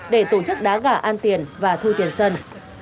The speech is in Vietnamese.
để tổ chức đá gà an tiền và thu tiền sân